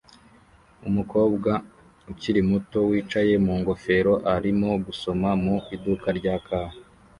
Umukobwa ukiri muto wicaye mu ngofero arimo gusoma mu iduka rya kawa